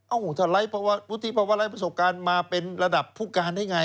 ถ้าไร้วุฒิภาวะไร้ประสบการณ์มาเป็นระดับผู้การได้ไง